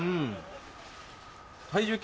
体重計。